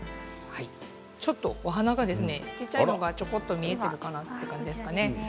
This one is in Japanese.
ちょっとお花が小さいのがちょこっと見えるかなという感じですかね。